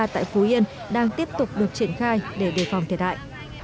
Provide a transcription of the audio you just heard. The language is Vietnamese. tại phú yên đang tiếp tục được triển khai để đề phòng thiệt hại